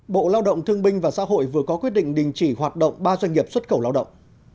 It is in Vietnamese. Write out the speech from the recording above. bộ lao động thương binh và xã hội vừa có quyết định đình chỉ hoạt động ba doanh nghiệp xuất khẩu lao động